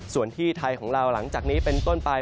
ส่วนที่ไทยของเราหลังจากนี้เป็นต้นไป